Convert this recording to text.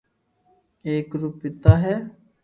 ايڪ رو پيتا ھي